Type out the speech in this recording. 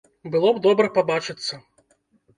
Было б добра пабачыцца.